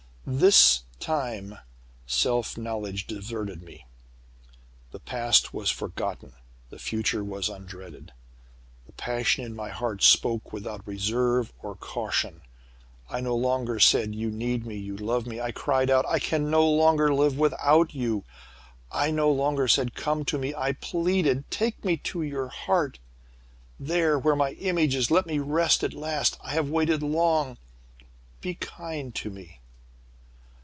"This time, self knowledge deserted me. The past was forgotten. The future was undreaded. The passion in my heart spoke without reserve or caution! I no longer said: 'You need me! You love me!' I cried out: 'I can no longer live without you!' I no longer said, 'Come to me!' I pleaded, 'Take me to your heart. There, where my image is, let me rest at last. I have waited long, be kind to me.'